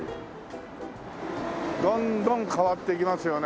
どんどん変わっていきますよね。